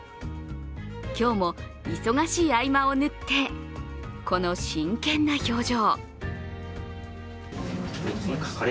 今日も忙しい合間を縫ってこの真剣な表情。